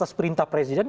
atas perintah presiden